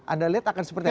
anda lihat akan seperti apa